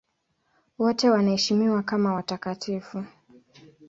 Wote wanaheshimiwa kama watakatifu.